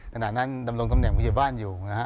ขณะนั้นดำรงตำแหน่งผู้ใหญ่บ้านอยู่นะฮะ